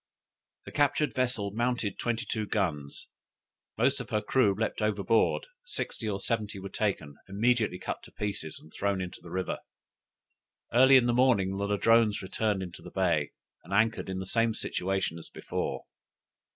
The captured vessel mounted twenty two guns. Most of her crew leaped overboard; sixty or seventy were taken, immediately cut to pieces, and thrown into the river. Early in the morning the Ladrones returned into the bay, and anchored in the same situation as before.